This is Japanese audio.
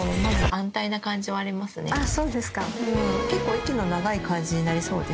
結構息の長い感じになりそうですよ。